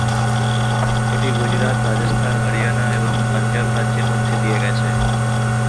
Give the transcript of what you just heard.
এটি গুজরাট, রাজস্থান, হরিয়ানা এবং পাঞ্জাব রাজ্যের মধ্য দিয়ে গেছে।